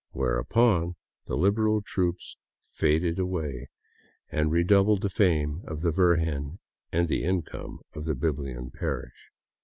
.., whereupon the Liberal troops faded quickly away, and redoubled the fame of the Virgin and the income of Biblian parish.